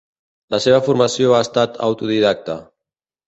La seva formació ha estat autodidacta.